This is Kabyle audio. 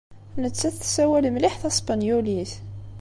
Nettat tessawal mliḥ taspenyulit.